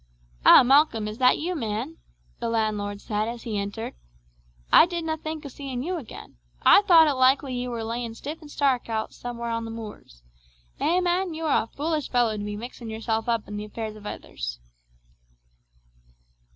"Ah, Malcolm, is that you, man?" the landlord said as he entered. "I didna think o' seeing you again. I thought it likely ye were laying stiff and stark somewhere out on the muirs. Eh, man, you are a foolish fellow to be mixing yourself up in the affairs of ithers."